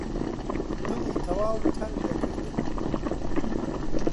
دڵی تەواو تەنگ دەکردم